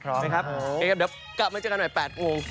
โอเคครับเดี๋ยวกลับมาเจอกันหน่อย๘โมง